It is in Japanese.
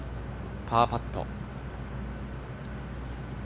パーパット。